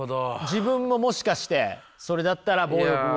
自分ももしかしてそれだったら暴力を。